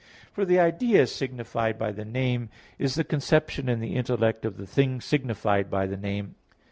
For the idea signified by the name is the conception in the intellect of the thing signified by the name.